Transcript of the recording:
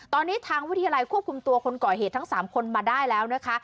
ตอนนี้ทางวิทยาลัยควบคุมตัวคนก่อเหตุทั้ง๓คนมาได้แล้วนะคะ